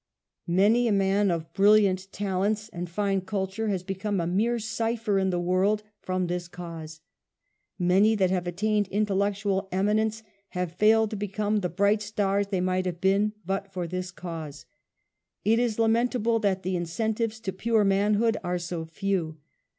Man}^ a man of brilliant talents and fine cultured has become a mere cypher in the world from this )' <3ause. Many that have attained intellectual emi nence have failed to become the bright stars they might have been, but for this cause. ^ It is lamentable that the incentives to pure man hood are so few.